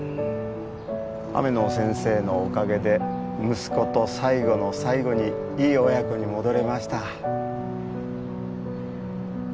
雨野先生のおかげで息子と最期の最期にいい親子に戻れました。